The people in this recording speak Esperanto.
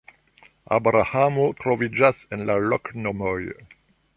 Abrahamo troviĝas en la loknomoj.